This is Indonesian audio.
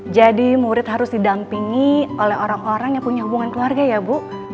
jadi murid harus didampingi oleh orang orang yang punya hubungan keluarga ya bu